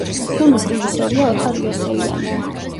ფილმის რეჟისორია ოთარ იოსელიანი.